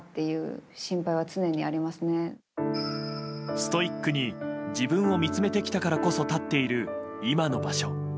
ストイックに自分を見つめてきたこそ立っている今の場所。